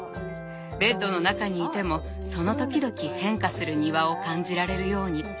ベッドの中にいてもその時々変化する庭を感じられるように。